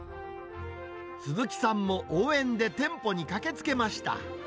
鈴木さんも応援で店舗に駆けつけました。